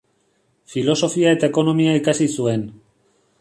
Filosofia eta ekonomia ikasi zuen.